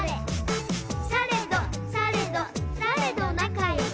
「されどされどされど仲よく」